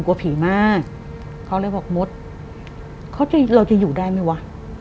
กลัวผีมากเขาเลยบอกมดเขาจะเราจะอยู่ได้ไหมวะ